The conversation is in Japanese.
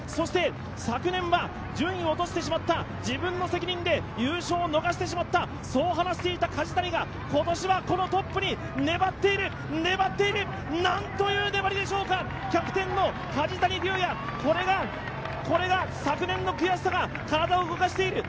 昨年は順位を落としてしまった、自分の責任で優勝を逃してしまったと話していた梶谷が、今年はこのトップに粘っている、粘っているなんという粘りでしょうか、キャプテンの梶谷瑠哉、これが昨年の悔しさから体を動かしている。